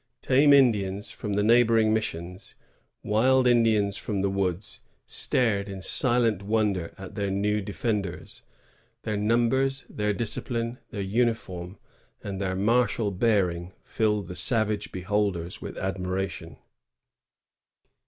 Tame Indians from the neigh boring missions, wild Indians from the woods, stared in silent wonder at their new defenders. Their numbers, their discipline, their uniform, and their martial bearing filled the savage beholders with admiration.